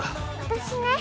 私ね。